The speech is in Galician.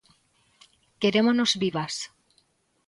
Querémonos vivas!